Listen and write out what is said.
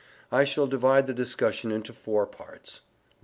I shall divide the discussion into four parts: I.